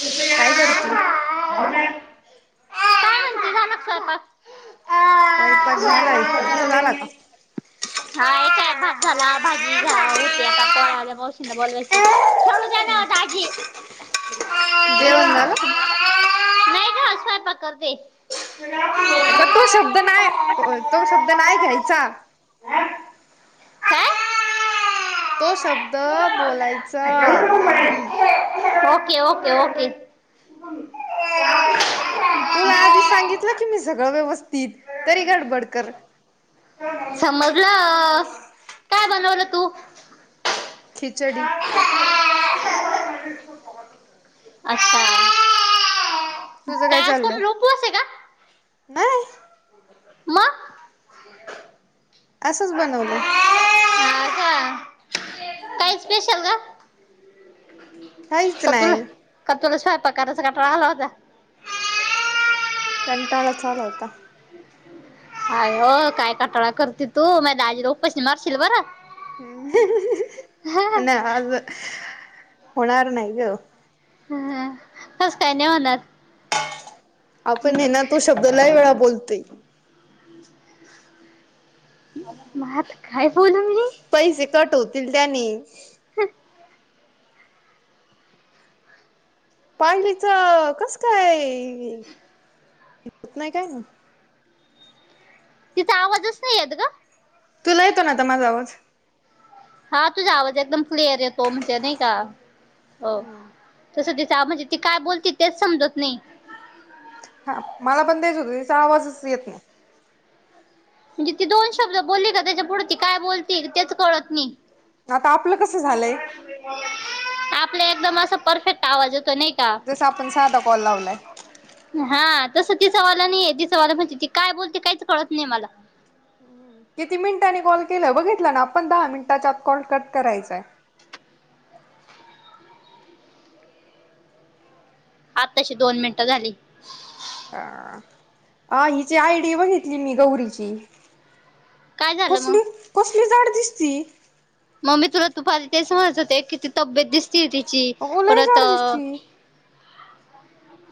हो [inaudible] काय करते? ह. [unintelligible] स्वयपाक झालायं, स्वयंपाक तूझा झाला का? हा. हे काय भात झाला, भाजी झा होत्या तवर आल्या मावशी. [unintelligible] खेळू द्या ना ओ दाजी. जेवण झालं नाही गं, स्वयपाक करते. ह. अग तो शब्द नाही तो शब्द नाही घ्यायचा. तो शब्द बोलायचा नाही. Okay okay. ओके. तुला आधी सांगितलं की मी सगळं व्यवस्थित तरी गडबड कर. समजल काय बनवलं तू? खिचडी. अच्छा. तुझं काय आज चाललंय, कोण उपवास आहे का नाही. मग असंच बनवलय, काय स्पेशल ग. काहीच कतूला नाही कतुला स्वयपाक करायचा कटाळा आला होता. कंटाळा आला होता. अय हो काय कटाळा करते तू मग दजी र उपशी मारशील बर, ् नाही आज होणार नाही ग. ह तस काय नाही होणार. आपण हे ना तो शब्द लही वेळा बोलतोय. हम्. मात काय बोल म्हे [inaudible] पैसे कट होतील त्याने ह. पाहिलीच कसं काय होत नाही काय ना. तिचा आवाजच नाही येत ग. तुला येतो ना आ माझा आवाज हा तुझा आवाज एकदम क्लिअर येतो म्हणजे नाही का हो, तसं तिस म्हणजे ती काय बोलते तेच समजत नाही. हा मला पण द्यायच होतं त्याचा आवाजच येत नाही. म्हणजे ती दोन शब्द बोलली का त्याच्या पुुढती काय बोलतील तेच कळत नाही. आता आपलं कसं झालंय आपला एकदम अस परफेक्ट आवाज यतो नाही. का जस आपण साधा कॉल लावलाय. हा तसं तिचावाला नाहीय तिचावाला म्हणजे ती काय बोलते काहीच कळत नाही मला. किती मिनिटांनी कॉल केलं बघितलं ना आपण दहा मिनिटाच्या आत कॉल कट करायचाय. आता तशी दोन मिनिटं झाली. अ अ हिची आयडीिया बघितली मी गौरीची काय झालं मग कसली कसली झाड दिसती. मम्मी तुला तू फली तेच म्हणात होते किती तब्येत दिसती तिची ओलाही परत जाड दिसती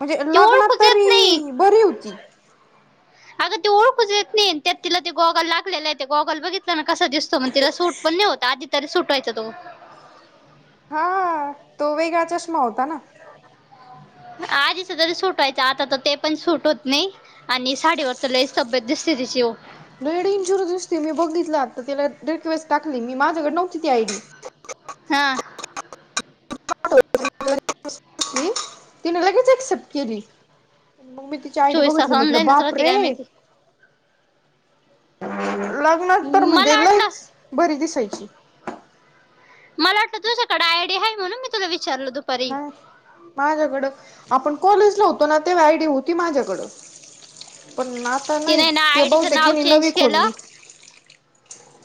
म्हणजे ती लग्नात ओळखूच येत नाही तरी बरी होती. अगं त ओळखच येत नाही त्यात तिला ते गॉगल लागले आहे ते गॉगल बघितलं ना कं दिसतो मग तिला सूट पण नव होत आध तरी सुटवायचं तो हा तो वेगळा चष्मा होता ना. आधीच तरी सुटवायचं आता तर ते पण सुूट होत नाही. आणि साडीवररत ल तब्येत दिस तिची डी इनशरसते मी बघितला तर त्याला डेळेस टाकली मी माझ्याकडे नव्हती ती आयडी. हा. तिने लगेच एक्सेप्ट केली मग चोवीस तास ऑनलाईनच राहते काय मी माहिती त [inaudible] हम्. म्हणजे लच बरी दिसायची. मला वाटतं तुझ्याकडे आयडी आहे म्हणून मी तुला विचारल तो नाही. माझ्याकड आपण कॉलेजला होतो ना ते आयडी होती माझ्याकड पण आता नाही तिने ना ते आयडीचं बहुतेक नाव तिने चेंज नवी केलं. खोलली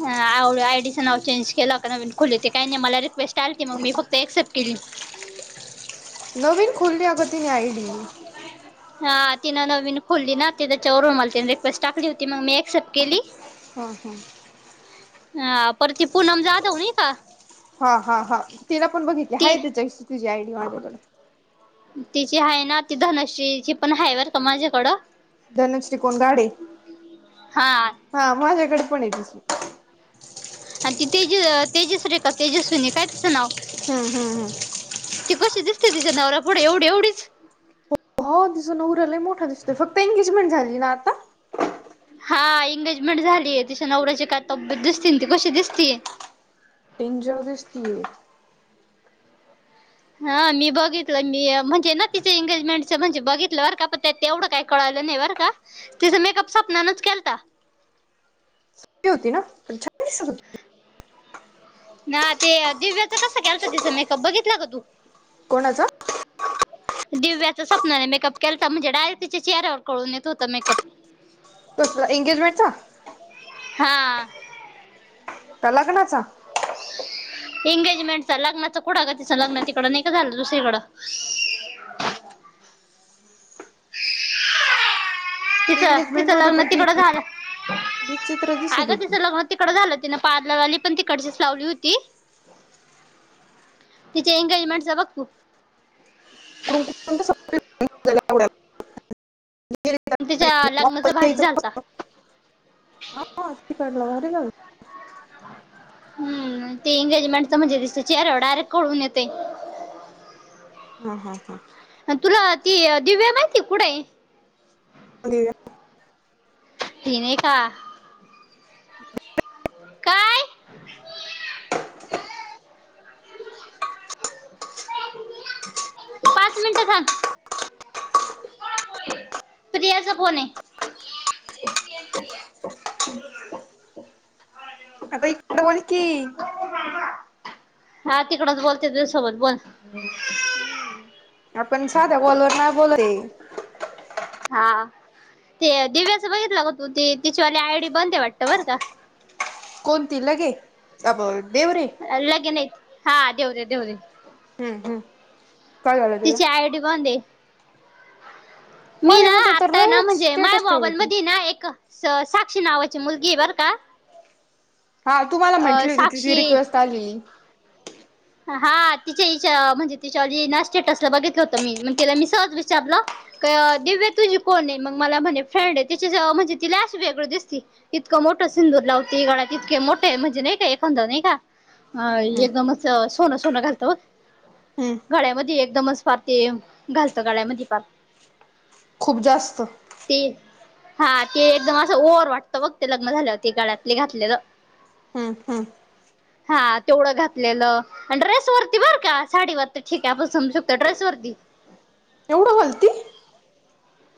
ह आवड आयडीचं नाव चेंज केलं का नवीन खुले हो ते काही नाही मला रिक्वेस्ट आली त मग मी फक्त क्सेप्ट केली. नवीन खुल्ल्या अगतीने आयडी. हा तिनं नवीन खोलली ना त त्याच्यावरून मला तिने रिक्वेस्ट टाकली होती मग मी ऍक्सेप्ट केली. हा हा. हा पर ते पुूनम जादा होणे का? हा हा हा तिला पण बघितली हा ती त्याच्या तुझी आयडी माझ्याकड. तिची आहे ना ती धनश्रीची पण ह वर का माझ्याकडं. धनश्री कोोण गाडे हा हा माझ्याकडे पण य तस. आणि ती तेजस तेजस रे का तेजस्विनी काय तिचं नाव हा हा हा. तेी कसे दिसते तिच्या नावला पुढे एवढी एवढीच हो दिसून उरलंय मोठा दिसतोय फक्त एंगेजमेंट झाली ना आता हा एंगेजमेंट झालीय तिच्या नवऱ्याची काय तब्येत दिसती ती कशी दिसती. टेन जर दिस ती आहे. हा मी बघितलं मी म्हणजे ना तिच एंगेजमेंटच म्हणजे बघितलं बर का पण त्या तेवढं काय? कळालं नाही बर का तिथं मेकअप स्वप्नच केलता. होती ना हो. ना ते दिव्याच कस घ्यालच तसं मेकअप बघितला ग तू कोणाचा? दिव्याच स्वपनाने मेकअप केय तर म्हणजे डायेक्टच्या चेहऱ्यावर कळून येत होतं मेकअप तुस एंगेजमेंटचा हा. त्या लग्णाचा एंगेजमेंटच लग्नाच कुठं का तिच लग्न तिकड नाही का झालं दुसरीकडं तिचं एंगेजमेंट तिचं मध्ये लग्न पण ती तिकडं झालं विचित्र अ दिसत ग होती तिचं लग्न. तिकड झालं त ना प्लर आली पण तिकडचीच लावली होती. तिचे एंगेजमेंट ज बघ तू. [inaudible] त्याच्या वापस लग्नाचा भाजी झालता. हाशी काढला घरी गल. हम् ते एंगेजमेंटच म्हणजे दिस चेहर्या डायरेक्ट कळून येते. हम हा हा. तुला ती दिव्या माहिती कुठं आहे. हो. नती नाही का? ह. काय? पाच मिनिट थांब. प्रया चा फोन हाय. अ त इकठ बोल की हा तिकडंच बोलते तुझ्यसोबत बोल. आपण साध कल नाही बोल. हा ते दिव्याचं बघितलं ग तू ते तिच्यावाली आयडी बंद आहे वाटत बरं का? कोणती लगे अ देवरे लगेन हा देऊ दे देऊ दे. हम्म हम्म. काय झालं तिला तिची आयडी बने. मी मध्ये ना मध्ये तर आत्ताय ना लयच म्हणजे माय स्टेटस ठेवत बाॉबल होती मध ना एक साक्षी नावाची मुलगी आहे बर का? हा तू मला अ म्हटली होती तिझी साक्षी रिक्वेस्ट आली. हा तिच्याच्या म्हणजे तिच्यावरी ना स्टेटसला बघितलं होत मी म तिला मी सहज विचारलं. दिव्य तुझी कोण आहे मग मला म्हणे फ्रेंड आहे तिच्या म्हणजे तिला अं वेगळं दिसते. इतकं मोठं सिंदूर लावती गड्यात इतके मोठे म्हणजे नाही का एखादा नाही का? हा हम्म हम्म एकदमच सोनं सोनं घालतं. हम्म गळ्यामध्ये एकदमच फार ते घालतं गळ्यामध्ये फार खूप जास्त. तीन हा ते एकदम असं ओर वाटत बघते लग्न झाल्या होती गळ्यातले घातलेलं. हा हम. हा तेवढं घातलेलं. आणि ड्रेस वरती बर का साडीवर तर ठीक आहे आपण समजू शकतो ड्रेस वरती. एवढं बोलती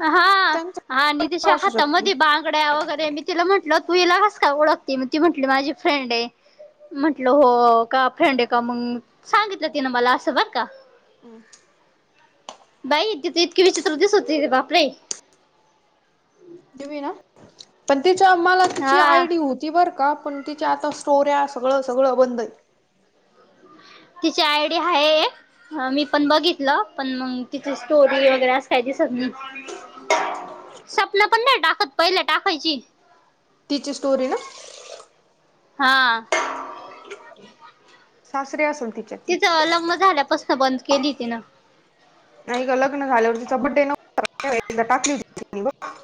हा हा नितीश त्यांच्या असू हात म शकते बांग. ड वगैरे मी तिला म्हट तू हिला घस का ओळखते मी ती म्हटली माझी फ्रेंड आहे. म्हंटलं हो का फ्रेंड आहे का मग सांगितलं तिनं मला असं बर का? हम्. बाई त इतकी विचित्रतीच होती बापडे ना पण तिच्या मला तिची हा आयडी होती बरं का पण तिच्या आता स्टोऱ्या सगळं सगळं बंद आहे. तिची आयडी आहे एक अ मी पण बघितलं पण मग तिची स्टोरी वगैरे काय दिस. स्वप्नापण नाही टाकत पहिले टाकायची. तिची स्टोरी ना. हा. सासरे असं. तिचं लग्न झाल्यापासन बंद केली तिनं. नाही ग लग्न झाल्यावर तिचा बड्डे नव्हता एकदा टाकली हो त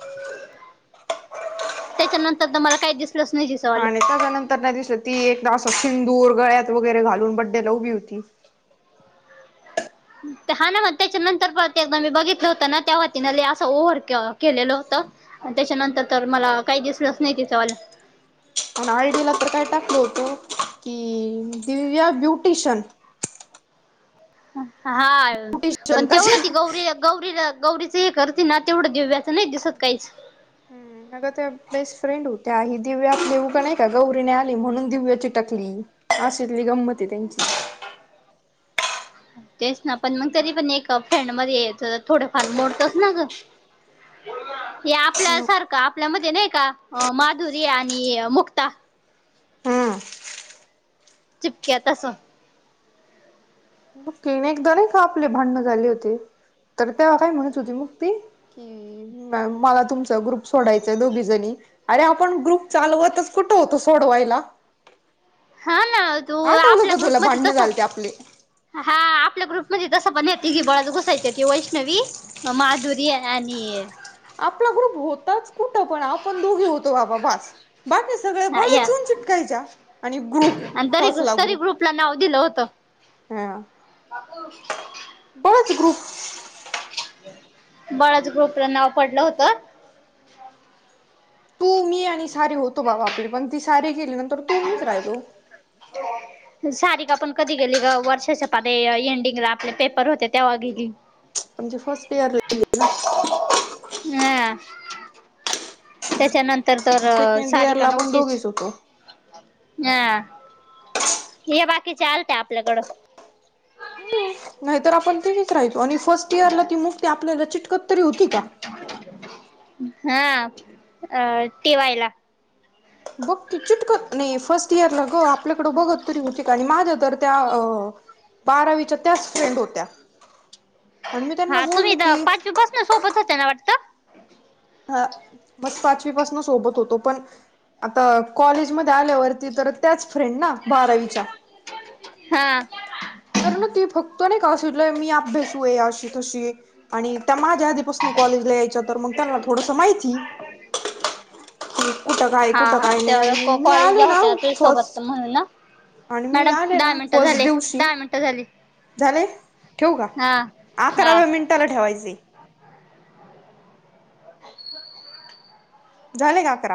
त्याच्या नंतर तर मला काही दिसलच नाही दिस. आणि त्याच्यानंतर नाही दिसलं ती एकदा असं सिंदूर गळ्यात वगैरे घालून बड्डे ला उभी होती. हा ना मग त्याच्यानंतर प ते एकदा मी बघितलं होतं ना त्या वतीिने ल असं ओव्हर केलेलं होतं. त्याच्यानंतर तर मला काही दिसलंच नाही तिचावालं पण आयडीला तर काय टाकल होतं की दिव या ब्युटिशयन हा ब्युटिशन पण तेवढं कशा ती गौरी गौरीला गौरीचे एक हरती ना तेवढं दिव्याचं नाही दिसत काहीच हम्म. अग त्या बेस्ट फ्रेंड होत्या ह दिव्या आपले उगा नाही का गौरीने आली म्हणून दिव्या चिटकली. अशीली गंमती त्यांची तेच ना पण मग तरी पण एक फ्रेंड मध्येच थोडंफार मोडतस ना ग. हे आपल्या सारखं आपल्या मध्ये नाही का माधुरी आणि मुक्ता हम्म चिपक्या तसो. मगीने एकदार एक का आपले भांडण झाले होते तर तेव्हा काय म्हणत होती मग तेी की मला तुमचा ग्रुप सोडायचंय दोघी जणी अरे आपण ग्रुप चालवतच कुठं होतो सोडवायला हा ना तू आठवलं आपल्या का ग्रुप तुला म भांडणं तस. झालते आपले हा आपल्या ग्रुप मध्ये तसं पण य तिघी बाळाात घुसायची ती वैष्णवी माधुरी आणि आपला ग्रुप होताच. कुठं पण आपण दोघी होतो बाबा बास बाकी सगळे हा बळे या चून चिटकायच्या. आणि ग्रुप आणि तरी कसला तरी ग्रुप ग्रुपला नाव हा. माकूष बडंच ग्रुप. बळाच ग्रुपला नाव पडलं होतं. तू मी आणि सारीे होतो बाबा आपली पण ती सारी केली नंतर तू मीच राहिलो. सारीख आपण कधी गेली ग वर्षाच्या पाले एंडिंगला आपले पेपर होते त्या वागे. म्हणजे फर्स्ट इयर लली ना. हम. त्याच्यानंतर तर सेकंड सारिका इयरला आपण नव्हतीच. दोघीच होतो. हा हे बाकी चालत आपल्याकडं. नाहीतर आपण तिच राहतो आणि फर्स्ट इयरला ती मुक्ती आपल्याला चिटकत तरी होती का? हा अ ठेवायला बघ चिटक नाही फर्स्ट इयर ला ग आपल्याकड बघत तरी उच आणि माझ्या दर. त्या बारावीच्या त्याच फ्रेंड होत्या. आणि मी त्यांना बोलली की सोपच आहेना वाटतं. ह म पाचवीपसून सोबत होतो पण आता कॉलेजमध्येध्ये आल्यावरती तर त्याच फ्रेंड ना बारावीच्या हा. तर ना ती फक्त नाही काल मी अभ्यासू आहे अशी तशी आणि त्या माझ्या आधीपासून कॉलेजला यायच तर मग त्यांना थोडस माहिती क कुठं काय हा कुठं हा काय नाही त्या आणि मी आले कॉलेजला ना होत्या तुझ फस् सोबत म्हणून ना आणि मी मॅडम आले ना दहा मिनटं फस्ट झाले दिवशी दहा मिनटं झाली झालेय ठेव का हा हा अकराव्या मिनिटाला ठेवायचे. झाले काकरा